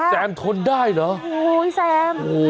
แซมทนได้เหรอ